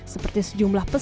seperti sejumlah pesepeda